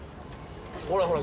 ほらほら。